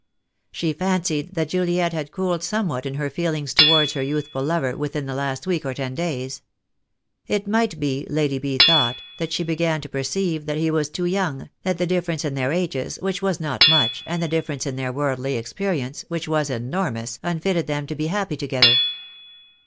She fancied that Juliet had cooled somewhat in her feelings towards her youthful lover within the last week or ten days. It might be, Lady B. thought, that she began to perceive that he was too young, that the difference in their ages, which was not much, and the difference in their worldly experience, which was enormous, unfitted them to be happy together.